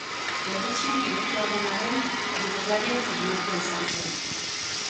Errusian girotua egon arren Jugoslavian filmatua izan zen.